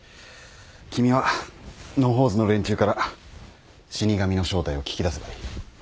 君は野放図の連中から死神の正体を聞き出せばいい。